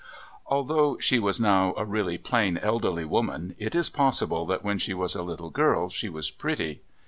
Although she was now a really plain elderly woman it is possible that when she was a little girl she was pretty.